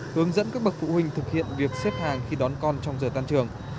hướng dẫn các bậc phụ huynh thực hiện việc xếp hàng khi đón con trong giờ tan trường